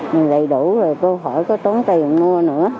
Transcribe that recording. mình lấy đủ rồi cô khỏi có tốn tiền mua nữa